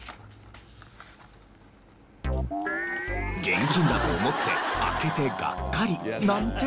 現金だと思って開けてがっかりなんて事も。